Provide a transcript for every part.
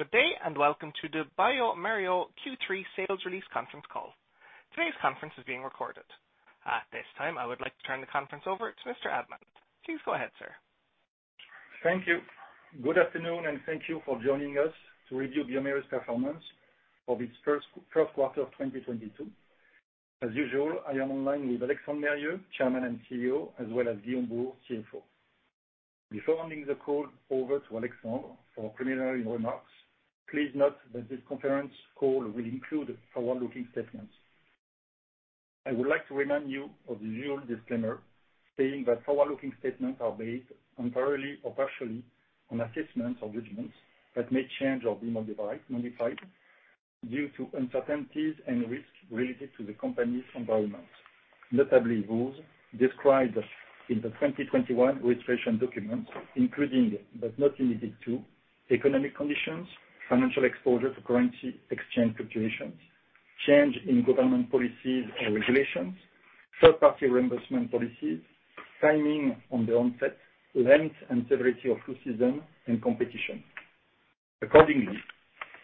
Good day and welcome to the bioMérieux Q3 sales release conference call. Today's conference is being recorded. At this time, I would like to turn the conference over to Mr. Admant. Please go ahead, sir. Thank you. Good afternoon, and thank you for joining us to review bioMérieux performance for this first quarter of 2022. As usual, I am online with Alexandre Mérieux, Chairman and CEO, as well as Guillaume Bouhours, CFO. Before handing the call over to Alexandre for preliminary remarks, please note that this conference call will include forward-looking statements. I would like to remind you of the usual disclaimer stating that forward-looking statements are based entirely or partially on assessments or judgments that may change or be modified due to uncertainties and risks related to the company's environment. Notably, those described in the 2021 registration document, including, but not limited to, economic conditions, financial exposure to currency exchange fluctuations, change in government policies and regulations, third-party reimbursement policies, timing on the onset, length and severity of flu season and competition. Accordingly,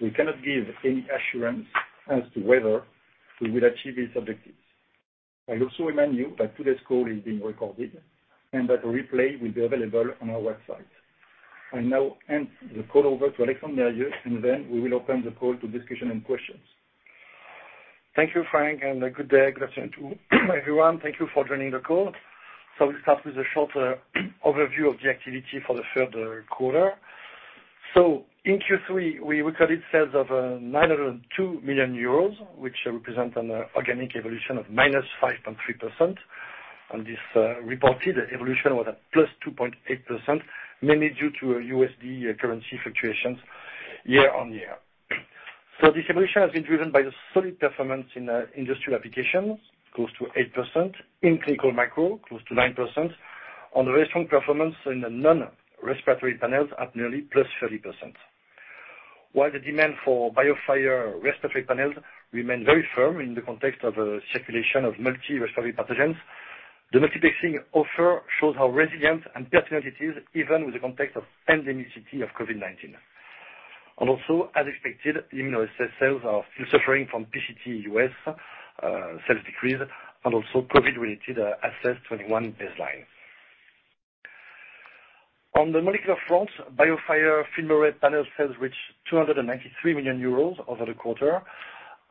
we cannot give any assurance as to whether we will achieve these objectives. I also remind you that today's call is being recorded and that a replay will be available on our website. I now hand the call over to Alexandre Mérieux, and then we will open the call to discussion and questions. Thank you, Franck, and good day. Good afternoon to everyone. Thank you for joining the call. We'll start with a short overview of the activity for the third quarter. In Q3, we recorded sales of 902 million euros, which represent an organic evolution of -5.3%. On this, reported evolution was at +2.8%, mainly due to USD currency fluctuations year on year. This evolution has been driven by the solid performance in industrial applications, close to 8%, in clinical micro, close to 9%, on the very strong performance in the non-respiratory panels at nearly +30%. While the demand for BioFire respiratory panels remain very firm in the context of circulation of multiple respiratory pathogens, the multiplexing offer shows how resilient and pertinent it is even with the context of endemicity of COVID-19. Also as expected, immunoassay sales are still suffering from PCT U.S. sales decrease and also COVID-related 2021 baselines. On the molecular front, BioFire FilmArray panel sales reached 293 million euros over the quarter.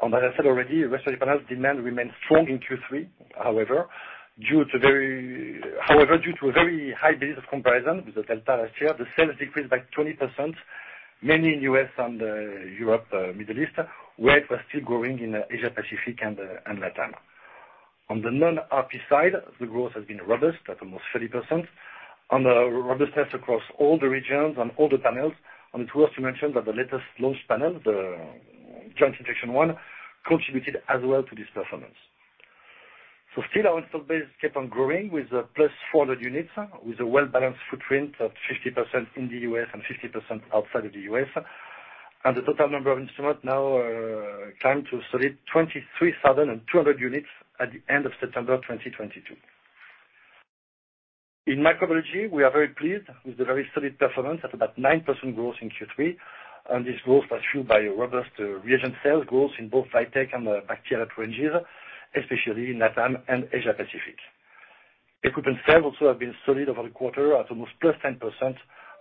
As I said already, respiratory panels demand remains strong in Q3. However, due to a very high base of comparison with the Delta last year, the sales decreased by 20%, mainly in U.S. and Europe, Middle East, where it was still growing in Asia Pacific and LATAM. On the non-RP side, the growth has been robust at almost 30%. On the robustness across all the regions on all the panels, and it's worth to mention that the latest launch panel, the joint infection one, contributed as well to this performance. Still our installed base kept on growing with +400 units with a well-balanced footprint of 50% in the U.S. and 50% outside of the U.S. The total number of instruments now climbed to a solid 23,200 units at the end of September 2022. In microbiology, we are very pleased with the very solid performance at about 9% growth in Q3. This growth was fueled by a robust reagent sales growth in both VITEK and bacterial ranges, especially in LATAM and Asia Pacific. Equipment sales also have been solid over the quarter at almost +10%,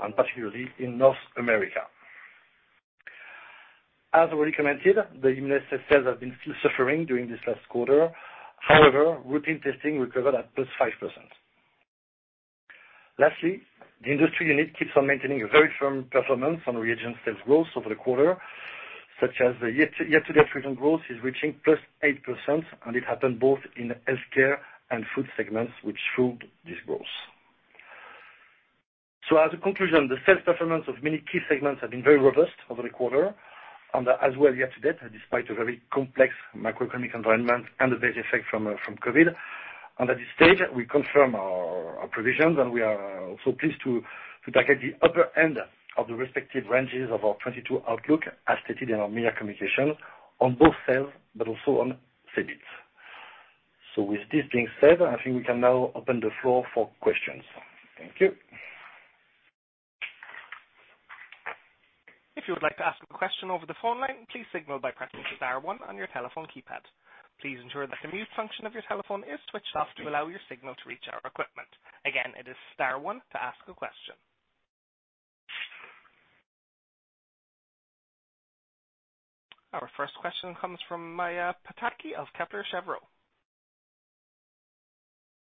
and particularly in North America. As already commented, the immunoassays have been still suffering during this last quarter. However, routine testing recovered at +5%. Lastly, the industry unit keeps on maintaining a very firm performance on reagents sales growth over the quarter, such as the year-to-date recent growth is reaching +8%, and it happened both in healthcare and food segments, which fueled this growth. As a conclusion, the sales performance of many key segments have been very robust over the quarter and as well year-to-date, despite a very complex macroeconomic environment and the base effect from from COVID. At this stage, we confirm our provisions, and we are also pleased to target the upper end of the respective ranges of our 2022 outlook, as stated in our media communication on both sales but also on EBITDA. With this being said, I think we can now open the floor for questions. Thank you. If you would like to ask a question over the phone line, please signal by pressing star one on your telephone keypad. Please ensure that the mute function of your telephone is switched off to allow your signal to reach our equipment. Again, it is star one to ask a question. Our first question comes from Maja Pataki of Kepler Cheuvreux.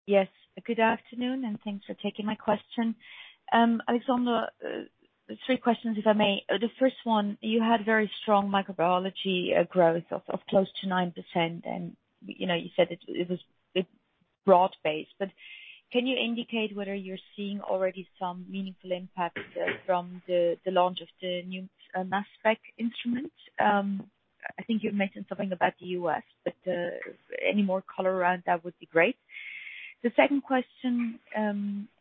Yes, good afternoon, and thanks for taking my question. Alexandre, three questions, if I may. The first one, you had very strong microbiology growth of close to 9%. You know, you said it was broad-based, but can you indicate whether you're seeing already some meaningful impact from the launch of the new mass spec instrument? I think you've mentioned something about the U.S., but any more color around that would be great. The second question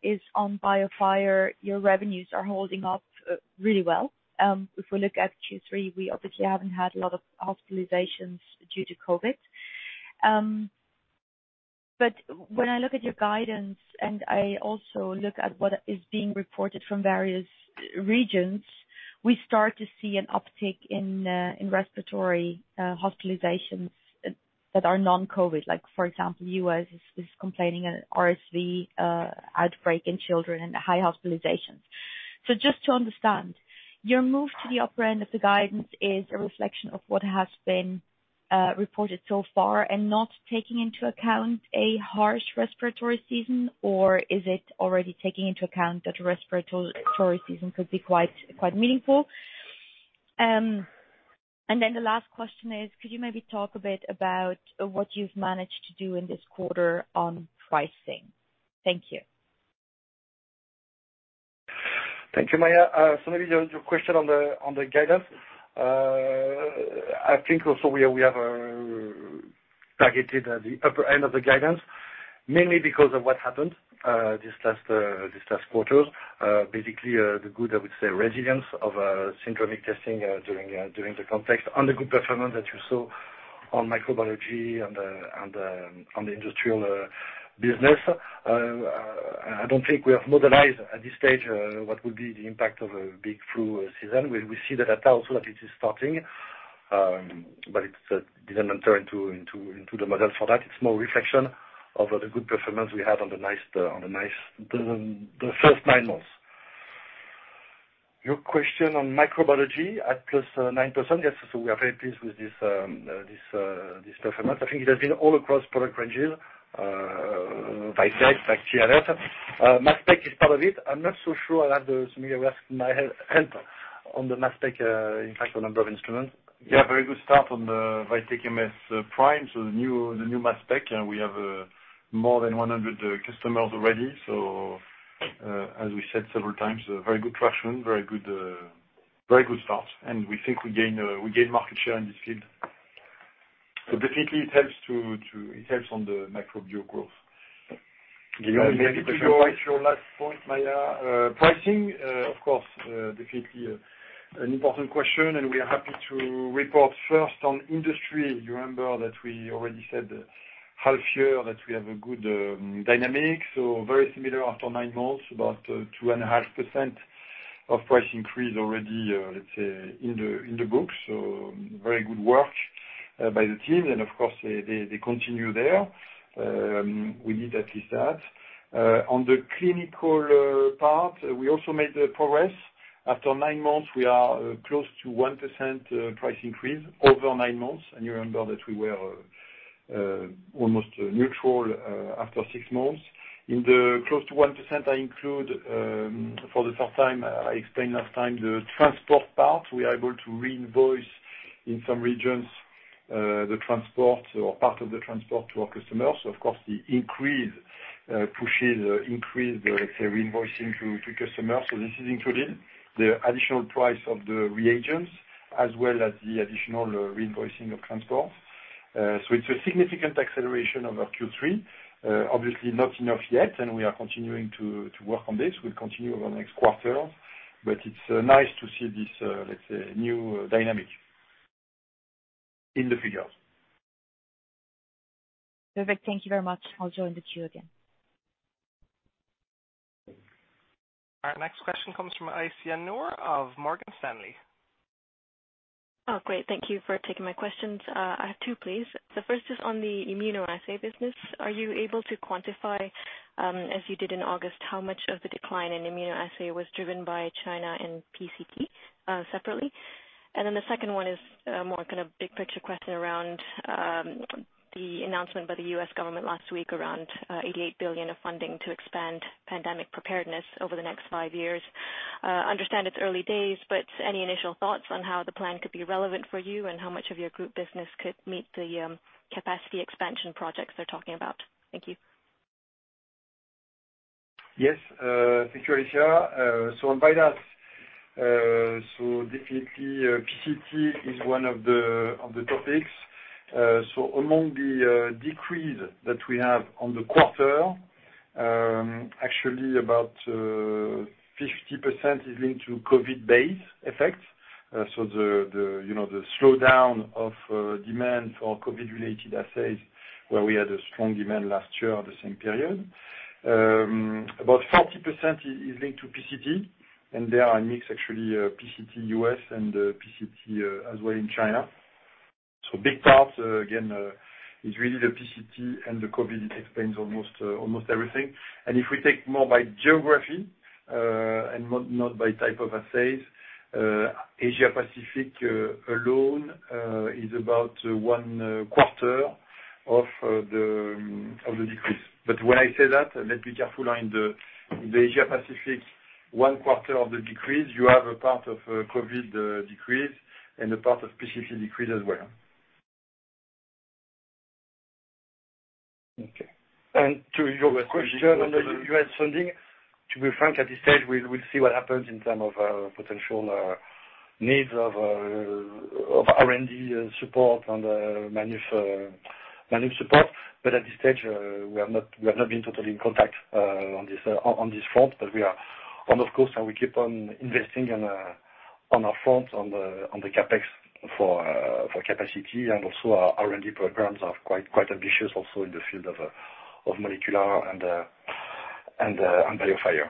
is on BioFire. Your revenues are holding up really well. If we look at Q3, we obviously haven't had a lot of hospitalizations due to COVID. When I look at your guidance, and I also look at what is being reported from various regions, we start to see an uptick in respiratory hospitalizations that are non-COVID. Like, for example, the U.S. is experiencing an RSV outbreak in children and high hospitalizations. Just to understand, your move to the upper end of the guidance is a reflection of what has been reported so far and not taking into account a harsh respiratory season, or is it already taking into account that the respiratory season could be quite meaningful? And then the last question is could you maybe talk a bit about what you've managed to do in this quarter on pricing? Thank you. Thank you, Maja. Maybe your question on the guidance. I think also we have targeted at the upper end of the guidance, mainly because of what happened this last quarter. Basically, the good, I would say, resilience of syndromic testing during the context, and the good performance that you saw on microbiology and on the industrial business. I don't think we have modeled at this stage what would be the impact of a big flu season. We see the data also that it is starting, but it didn't enter into the model for that. It's more reflection of the good performance we had. The first nine months. Your question on microbiology at +9%. Yes, we are very pleased with this performance. I think it has been all across product ranges. VITEK, like CHROMID. VITEK MS is part of it. I'm not so sure I have the similar split in my head on the VITEK MS impact on number of instruments. Yeah, very good start on the VITEK MS PRIME, the new VITEK MS, and we have more than 100 customers already. As we said several times, a very good traction, very good start. We think we gain market share in this field. Definitely it helps on the microbiology growth. Maybe to your last point, Maja, pricing, of course, definitely, an important question, and we are happy to report first on industry. You remember that we already said half year that we have a good dynamic. Very similar after nine months, about 2.5% price increase already, let's say in the books. Very good work by the team, and of course they continue there. We need at least that. On the clinical part, we also made progress. After nine months, we are close to 1% price increase over nine months, and you remember that we were almost neutral after six months. In the close to 1%, I include, for the third time, I explained last time the transport part. We are able to reinvoice in some regions, the transport or part of the transport to our customers. Of course the increase pushes the increase in the reinvoicing to customers. This is included. The additional price of the reagents as well as the additional reinvoicing of transport. It's a significant acceleration over Q3. Obviously not enough yet, and we are continuing to work on this. We'll continue over the next quarter. It's nice to see this, let's say, new dynamic in the figures. Perfect. Thank you very much. I'll join the queue again. All right. Next question comes from Aisyah Noor of Morgan Stanley. Oh, great. Thank you for taking my questions. I have two, please. The first is on the immunoassay business. Are you able to quantify, as you did in August, how much of the decline in immunoassay was driven by China and PCT, separately? The second one is, more kind of big picture question around, the announcement by the U.S. government last week around, $88 billion of funding to expand pandemic preparedness over the next five years. Understand it's early days, but any initial thoughts on how the plan could be relevant for you and how much of your group business could meet the, capacity expansion projects they're talking about? Thank you. Yes. Thank you, Aisyah. So on VIDAS, so definitely PCT is one of the topics. So among the decrease that we have on the quarter, actually about 50% is linked to COVID base effects. So the you know the slowdown of demand for COVID-related assays where we had a strong demand last year at the same period. About 40% is linked to PCT, and there are a mix actually, PCT U.S. and PCT as well in China. So big part again is really the PCT and the COVID explains almost everything. If we take more by geography, and not by type of assays, Asia Pacific alone is about one quarter of the decrease. When I say that, let's be careful in the Asia Pacific. One quarter of the decrease, you have a part of COVID decrease and a part of PCT decrease as well. Okay. To your question on the U.S. funding, to be frank, at this stage we'll see what happens in terms of potential needs of R&D support on the manufacturing support. At this stage, we have not been totally in contact on this front, but we are of course, and we keep on investing on our front on the CapEx for capacity and also our R&D programs are quite ambitious also in the field of molecular and BioFire.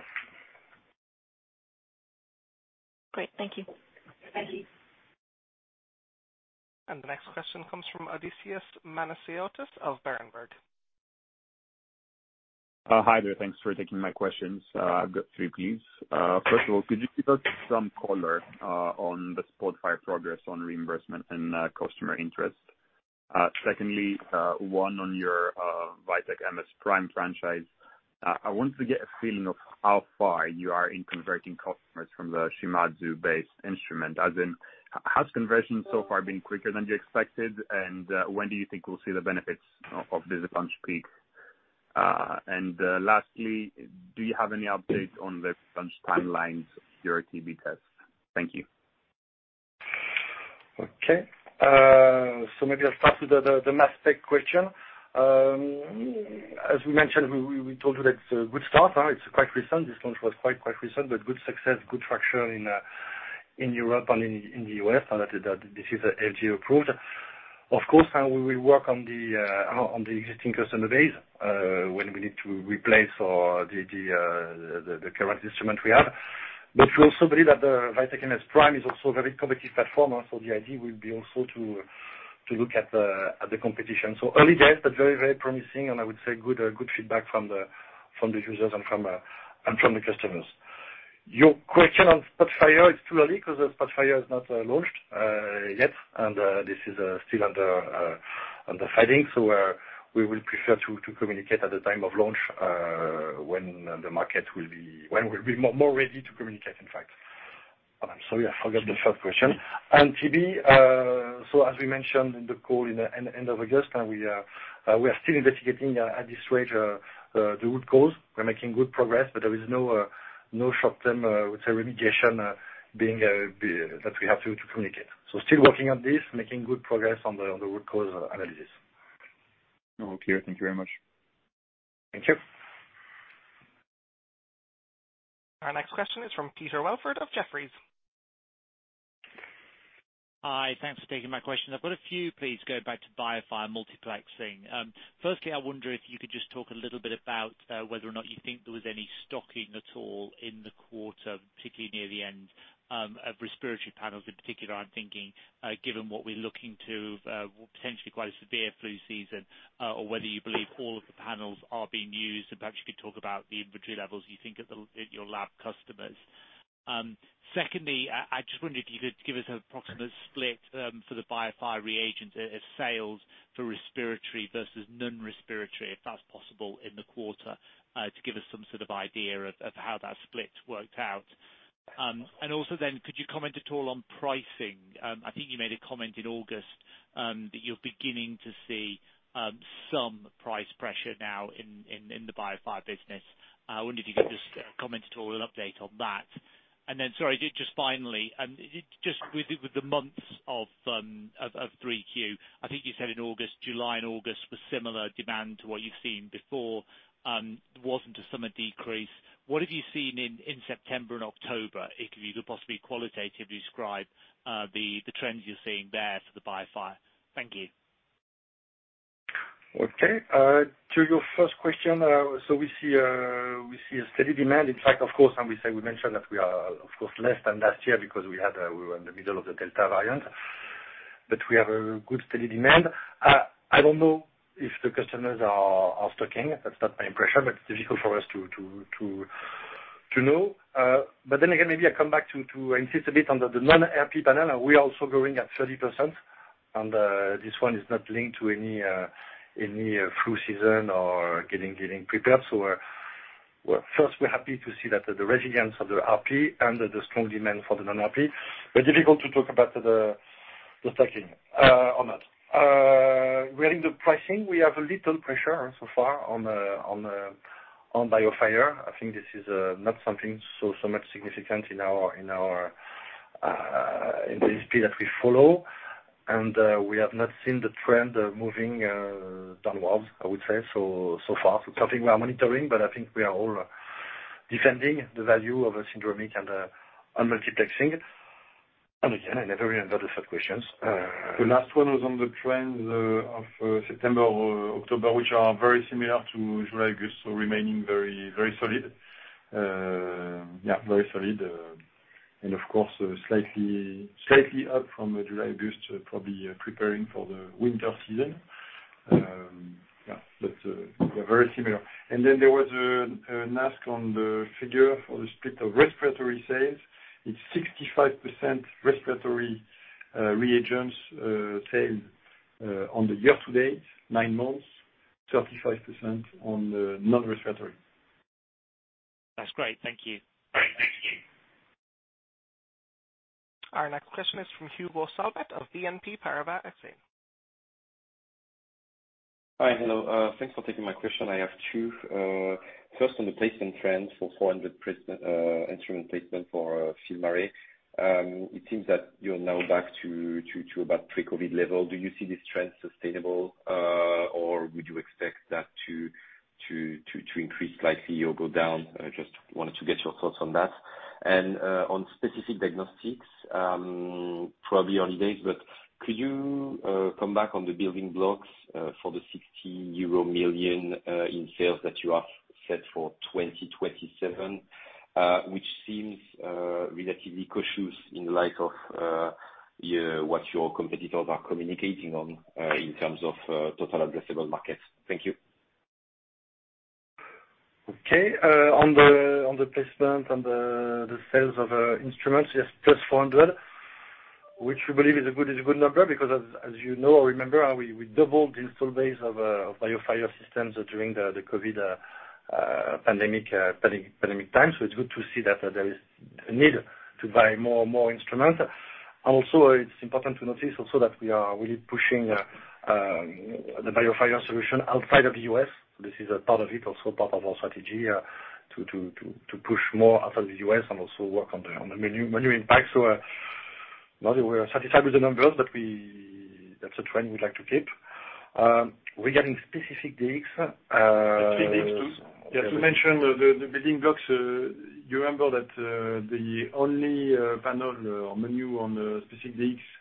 Great. Thank you. Thank you. The next question comes from Odysseas Manesiotis of Berenberg. Hi there. Thanks for taking my questions. I've got three please. First of all, could you give us some color on the Spotfire progress on reimbursement and customer interest? Secondly, one on your VITEK MS PRIME franchise. I want to get a feeling of how far you are in converting customers from the Shimadzu-based instrument. As in, has conversion so far been quicker than you expected, and when do you think we'll see the benefits of this launch peak? And lastly, do you have any updates on the launch timelines for your TB test? Thank you. Okay. Maybe I'll start with the mass spec question. As we mentioned, we told you that's a good start. It's quite recent. This launch was quite recent, but good success, good traction in Europe and in the U.S.. That this is FDA approved. Of course, now we will work on the existing customer base, when we need to replace or the current instrument we have. We also believe that the VITEK MS PRIME is also a very competitive platform. The idea will be also to look at the competition. Early days, but very promising, and I would say good feedback from the users and from the customers. Your question on SPOTFIRE, it's too early 'cause the SPOTFIRE is not launched yet, and this is still under filing. We will prefer to communicate at the time of launch, when we'll be more ready to communicate, in fact. I'm sorry, I forgot the third question. TB, as we mentioned in the call at the end of August, and we are still investigating at this stage the root cause. We're making good progress, but there is no short-term remediation being that we have to communicate. Still working on this, making good progress on the root cause analysis. All clear. Thank you very much. Thank you. Our next question is from Peter Welford of Jefferies. Hi. Thanks for taking my question. I've got a few, please, going back to BioFire multiplexing. Firstly, I wonder if you could just talk a little bit about whether or not you think there was any stocking at all in the quarter, particularly near the end, of respiratory panels in particular, I'm thinking, given what we're looking to, potentially quite a severe flu season, or whether you believe all of the panels are being used. Perhaps you could talk about the inventory levels you think at the, at your lab customers. Secondly, I just wondered if you could give us an approximate split, for the BioFire reagents, sales for respiratory versus non-respiratory, if that's possible, in the quarter, to give us some sort of idea of how that split worked out. Could you comment at all on pricing? I think you made a comment in August that you're beginning to see some price pressure now in the BioFire business. I wonder if you could just comment at all or update on that. Sorry, just finally, just with the months of Q3, I think you said in August, July and August was similar demand to what you've seen before. There wasn't a summer decrease. What have you seen in September and October? If you could possibly qualitatively describe the trends you're seeing there for the BioFire. Thank you. Okay. To your first question, we see a steady demand. In fact, of course, we say we mentioned that we are of course less than last year because we were in the middle of the Delta variant, but we have a good steady demand. I don't know if the customers are stocking. That's not my impression, but it's difficult for us to know. Maybe I come back to insist a bit on the non-RP panel. We are also growing at 30% and this one is not linked to any flu season or getting prepared. First, we're happy to see that the resilience of the RP and the strong demand for the non-RP, but difficult to talk about the stocking on that. Regarding the pricing, we have a little pressure so far on BioFire. I think this is not something so much significant in the spend that we follow. We have not seen the trend moving downwards, I would say, so far. Something we are monitoring, but I think we are all defending the value of syndromic and on multiplexing. Again, I never remember the third questions. The last one was on the trends of September or October, which are very similar to July, August. Remaining very solid. Yeah, very solid. Of course, slightly up from July, August, probably preparing for the winter season. Yeah, that's very similar. There was an ask on the figure for the split of respiratory sales. It's 65% respiratory reagents sales on the year to date, nine months, 35% on the non-respiratory. That's great. Thank you. Great. Thank you. Our next question is from Hugo Solvet of BNP Paribas. Thanks for taking my question. I have two. First on the placement trend for instrument placement for FilmArray. It seems that you're now back to about pre-COVID level. Do you see this trend sustainable, or would you expect that to increase slightly or go down. I just wanted to get your thoughts on that. On Specific Diagnostics, probably early days, but could you come back on the building blocks for the 60 million euro in sales that you have set for 2027, which seems relatively cautious in light of what your competitors are communicating on in terms of total addressable markets. Thank you. Okay. On the placement on the sales of instruments, yes, plus 400, which we believe is a good number because as you know or remember, we doubled the installed base of BioFire systems during the COVID pandemic time, so it's good to see that there is a need to buy more and more instruments. It's important to notice also that we are really pushing the BioFire solution outside of the U.S. This is a part of it, also part of our strategy to push more outside the U.S. and also work on the menu impact. Well, we're satisfied with the numbers, but that's a trend we'd like to keep. Regarding Specific Diagnostics too. Yeah, to mention the building blocks, you remember that the only panel or menu on the Specific Diagnostics,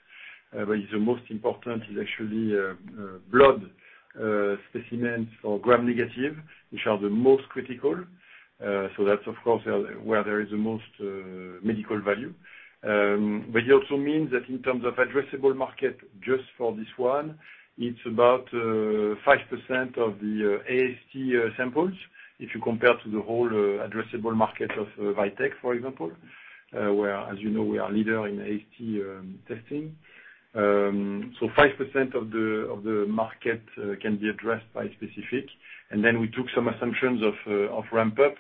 but the most important is actually blood specimens or Gram-negative, which are the most critical. That's of course where there is the most medical value. It also means that in terms of addressable market, just for this one, it's about 5% of the AST samples, if you compare to the whole addressable market of VITEK, for example, where, as you know, we are leader in AST testing. 5% of the market can be addressed by Specific. Then we took some assumptions of ramp up.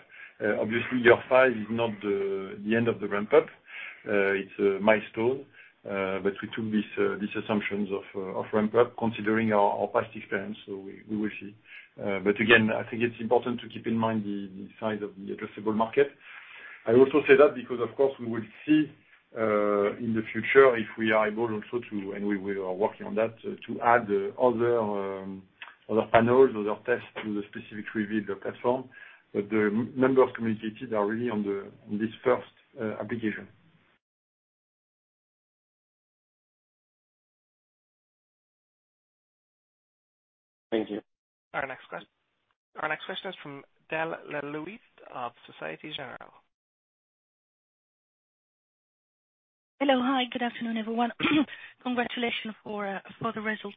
Obviously, year five is not the end of the ramp up. It's a milestone, but we took these assumptions of ramp up considering our past experience, so we will see. Again, I think it's important to keep in mind the size of the addressable market. I also say that because of course we will see in the future if we are able also to, and we are working on that, to add other panels, other tests to the Specific REVEAL platform, but the number of communities are really on this first application. Thank you. Our next question is from Delphine Le Louet of Société Générale. Hello. Hi, good afternoon, everyone. Congratulations for the results.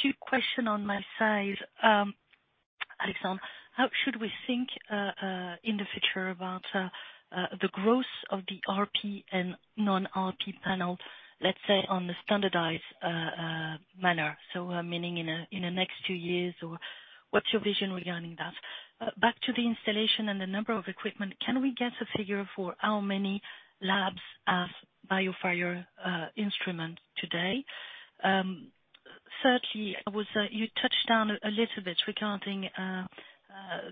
Few questions on my side. Alexandre, how should we think in the future about the growth of the RP and non-RP panel, let's say, on the standardized manner? Meaning in the next two years or what's your vision regarding that? Back to the installation and the number of equipment, can we get a figure for how many labs have BioFire instrument today? Thirdly, you touched on a little bit regarding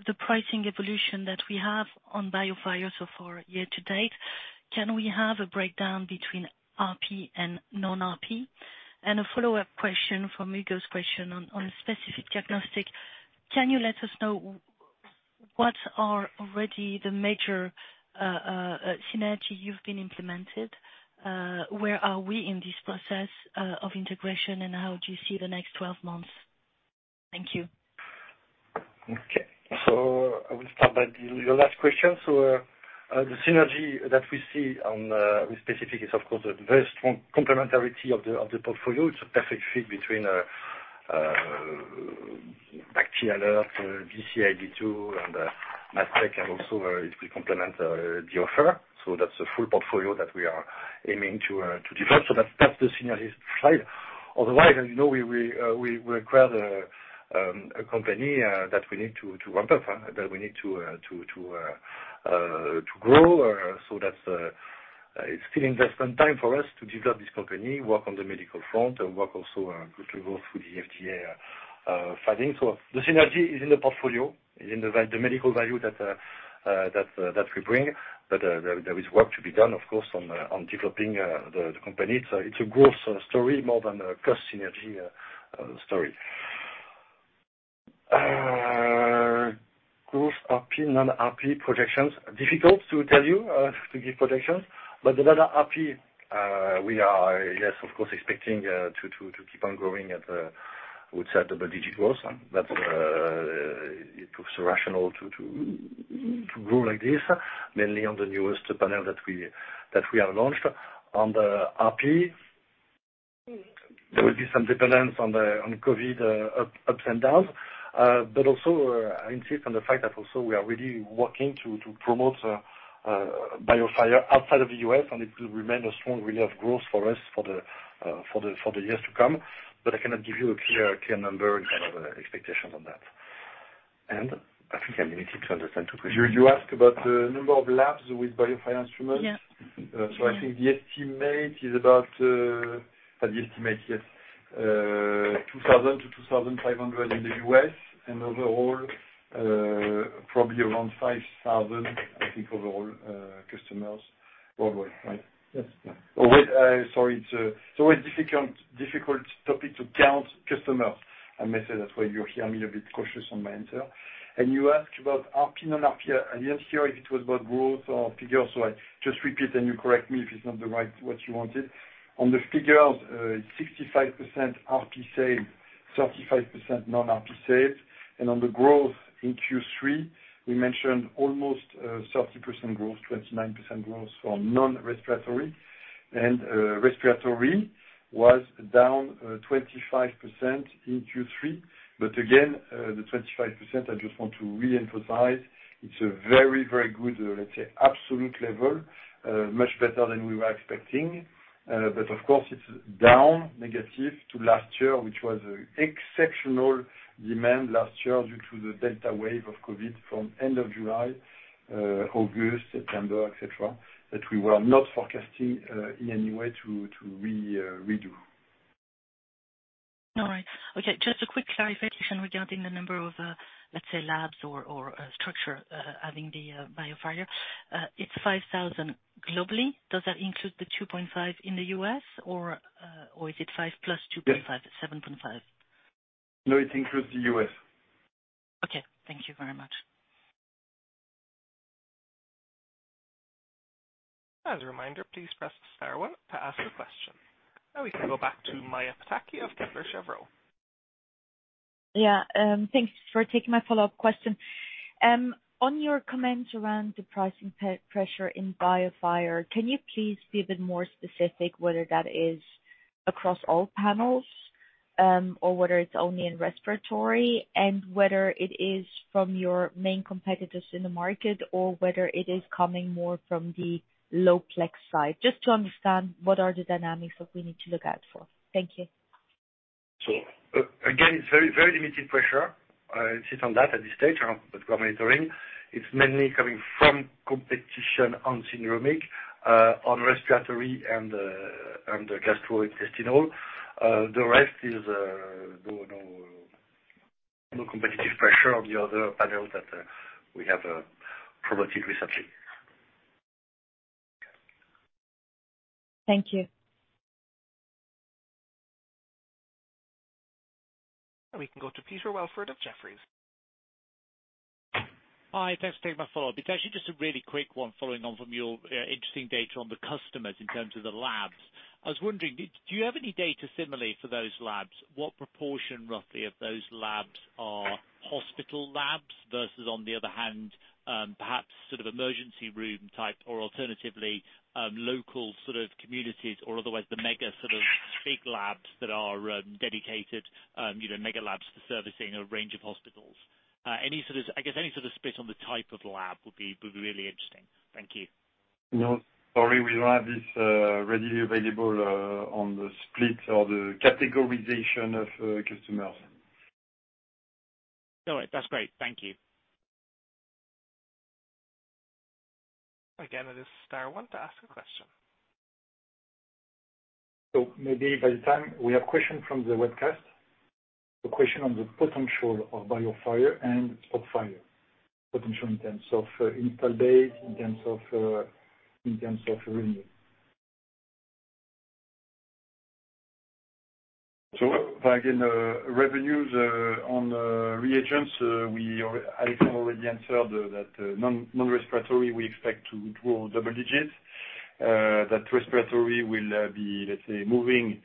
the pricing evolution that we have on BioFire so far year to date. Can we have a breakdown between RP and non-RP? A follow-up question from Hugo's question on Specific Diagnostics. Can you let us know what are already the major synergies you've implemented? Where are we in this process of integration, and how do you see the next 12 months? Thank you. I will start by your last question. The synergy that we see with Specific is of course a very strong complementarity of the portfolio. It's a perfect fit between BacT/ALERT, VITEK 2 and VITEK MS and also it will complement the offer. That's a full portfolio that we are aiming to develop. That's the synergy side. Otherwise, as you know, we acquired a company that we need to ramp up and grow. It's still investment time for us to develop this company, work on the medical front and also work to go through the FDA filing. The synergy is in the portfolio, in the medical value that we bring. There is work to be done, of course, on developing the company. It's a growth story more than a cost synergy story. Growth RP, non-RP projections. Difficult to tell you to give projections, but the data RP we are, yes, of course, expecting to keep on growing at, I would say, double-digit growth. It looks rational to grow like this, mainly on the newest panel that we have launched. On the RP, there will be some dependence on COVID ups and downs. also, I insist on the fact that also we are really working to promote BioFire outside of the U.S. and it will remain a strong wheel of growth for us for the years to come. I cannot give you a clear number in terms of expectations on that. I think I need to understand the question. You asked about the number of labs with BioFire instruments. Yeah. I think the estimate is about 2000-2500 in the U.S. and overall probably around 5000, I think overall customers worldwide, right? Yes. Sorry. It's always a difficult topic to count customers, I must say. That's why you hear me a bit cautious on my answer. You asked about RP, non-RP. I didn't hear if it was about growth or figures, so I just repeat, and you correct me if it's not what you wanted. On the figures, 65% RP sales, 35% non-RP sales. On the growth in Q3, we mentioned almost 30% growth, 29% growth for non-respiratory. Respiratory was down 25% in Q3. Again, the 25%, I just want to re-emphasize, it's a very, very good, let's say, absolute level, much better than we were expecting. Of course, it's down negative to last year, which was exceptional demand last year due to the Delta wave of COVID from end of July, August, September, et cetera, that we were not forecasting in any way to redo. All right. Okay, just a quick clarification regarding the number of, let's say, labs or structure, adding the BioFire. It's 5,000 globally. Does that include the 2.5 in the U.S. or is it 5 + 2.5? Yes. 7.5? No, it includes the U.S.. Okay. Thank you very much. As a reminder, please press star one to ask a question. Now we can go back to Maja Pataki of Kepler Cheuvreux. Yeah, thanks for taking my follow-up question. On your comments around the pricing pressure in BioFire, can you please be a bit more specific whether that is across all panels, or whether it's only in respiratory, and whether it is from your main competitors in the market or whether it is coming more from the low plex side? Just to understand what are the dynamics that we need to look out for. Thank you. Again, it's very, very limited pressure. It's on that at this stage, but we're monitoring. It's mainly coming from competition on syndromic, on respiratory and the gastrointestinal. The rest is no competitive pressure on the other panel that we have promoted recently. Thank you. We can go to Peter Welford of Jefferies. Hi, thanks for taking my follow-up. It's actually just a really quick one following on from your interesting data on the customers in terms of the labs. I was wondering, do you have any data similarly for those labs? What proportion, roughly, of those labs are hospital labs versus, on the other hand, perhaps sort of emergency room type or alternatively, local sort of communities or otherwise the mega sort of big labs that are dedicated, you know, mega labs for servicing a range of hospitals? Any sort of, I guess, any sort of split on the type of lab would be really interesting. Thank you. No, sorry. We don't have this readily available on the split or the categorization of customers. All right. That's great. Thank you. Again, it is star one to ask a question. Maybe by the time we have question from the webcast, a question on the potential of BioFire and SpotFire, potential in terms of install base, in terms of revenue. Again, revenues on reagents, I can already answer that non-respiratory we expect to grow double digits. Respiratory will be, let's say, moving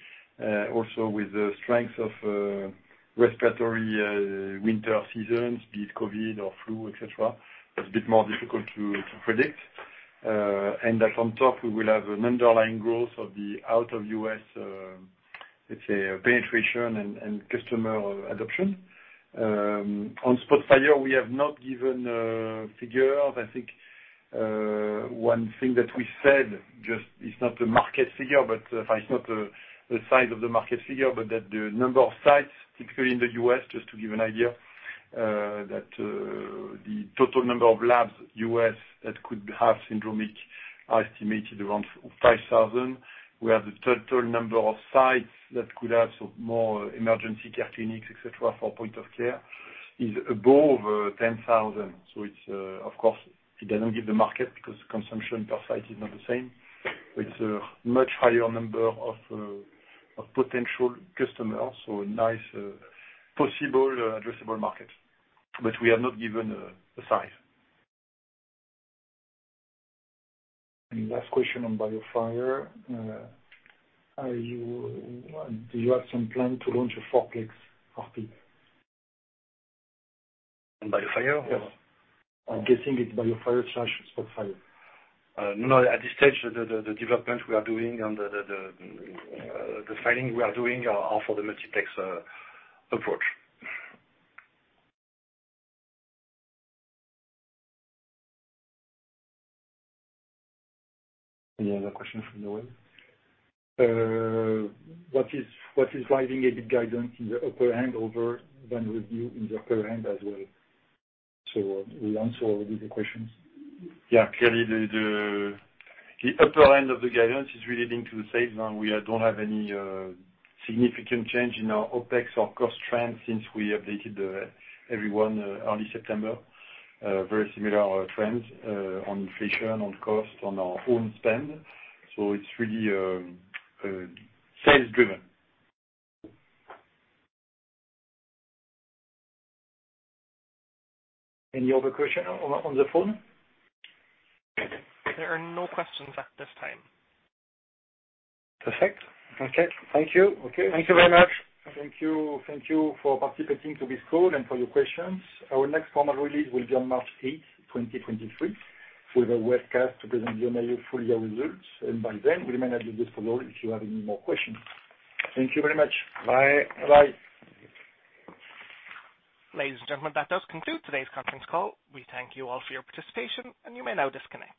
also with the strength of respiratory winter seasons, be it COVID or flu, et cetera. That's a bit more difficult to predict. On top we will have an underlying growth of the out-of-US penetration and customer adoption. On SpotFire, we have not given a figure. I think one thing that we said just is not the market figure, but if it's not the size of the market figure, but that the number of sites typically in the U.S., just to give an idea, that the total number of labs U.S. that could have syndromic are estimated around 5,000, where the total number of sites that could have some more emergency care clinics, et cetera, for point of care is above 10,000. Of course it doesn't give the market because consumption per site is not the same. It's a much higher number of potential customers. Nice possible addressable market. But we have not given a size. Any last question on BioFire? Do you have some plan to launch a 4-plex RP? On BioFire? Yes. I'm guessing it's BioFire SpotFire. No. At this stage the development we are doing and the filing we are doing are for the multiplex approach. Any other question from the web? What is driving EBITDA guidance in the upper half of the range, revenue in the upper half as well? We answer all the questions. Yeah. Clearly the upper end of the guidance is relating to the sales. Now we don't have any significant change in our OpEx or cost trend since we updated everyone early September. Very similar trends on inflation, on cost, on our own spend. So it's really sales driven. Any other question on the phone? There are no questions at this time. Perfect. Okay. Thank you. Okay. Thank you very much. Thank you. Thank you for participating in this call and for your questions. Our next formal release will be on March 8, 2023 with a webcast to present our full year results. By then we may not do this follow-up if you have any more questions. Thank you very much. Bye. Bye-bye. Ladies and gentlemen, that does conclude today's conference call. We thank you all for your participation, and you may now disconnect.